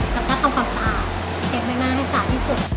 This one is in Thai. แล้วก็ทำความสะอาดเชฟใบหน้าให้สะที่สุด